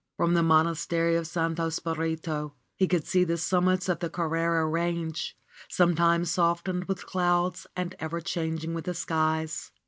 From the Monastery of Santo Spirito he could see the summits of the Carrara Range, sometimes softened with clouds and ever changing with the skies.